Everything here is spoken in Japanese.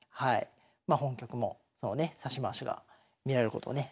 まあ本局もそのね指し回しが見られることをね